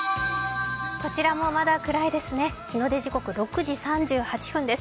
こちらもまだ暗いですね、日の出時刻６時３８分です。